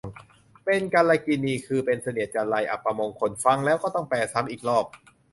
เป็นกาลกิณี คือเป็นเสนียดจัญไร อัปมงคล ฟังแล้วก็ต้องแปลซ้ำอีกรอบ